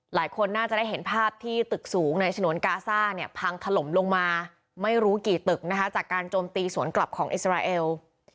หลายคนน่าจะได้เห็นภาพที่ตึกสูงในฉนวนกาซ่าเนี่ยพังถล่มลงมาไม่รู้กี่ตึกนะคะจากการโจมตีสวนกลับของอิสราเอล